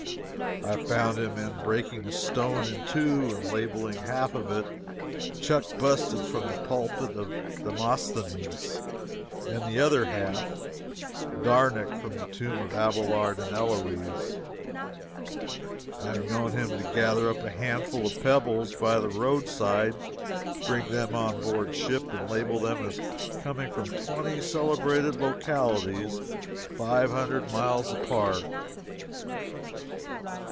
I have found him breaking a stone in two, and labeling half of it "Chunk busted from the pulpit of Demosthenes," and the other half "Darnick from the Tomb of Abelard and Heloise." I have known him to gather up a handful of pebbles by the roadside, and bring them on board ship and label them as coming from twenty celebrated localities five hundred miles apart.